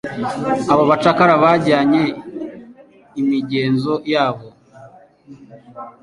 Abo bacakara bajyanye imigenzo yabo,